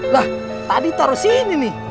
wah tadi taruh sini nih